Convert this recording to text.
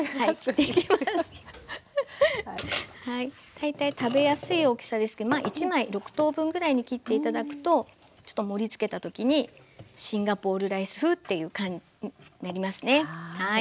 大体食べやすい大きさですけどまあ１枚６等分ぐらいに切って頂くとちょっと盛りつけた時にシンガポールライス風っていう感じになりますねはい。